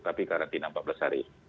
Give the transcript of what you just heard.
tapi karantina empat belas hari